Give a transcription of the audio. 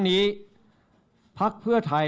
ขอบคุณครับ